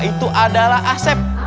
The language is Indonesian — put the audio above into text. itu adalah asep